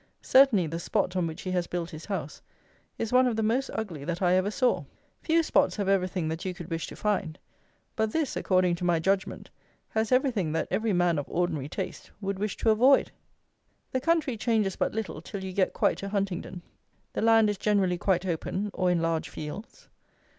Certainly the spot, on which he has built his house, is one of the most ugly that I ever saw. Few spots have everything that you could wish to find; but this, according to my judgment, has everything that every man of ordinary taste would wish to avoid. The country changes but little till you get quite to Huntingdon. The land is generally quite open, or in large fields.